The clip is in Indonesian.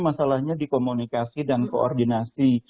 masalahnya dikomunikasi dan koordinasi